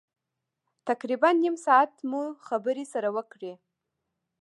تقریبا نیم ساعت مو خبرې سره وکړې.